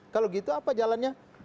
kalau begitu apa jalannya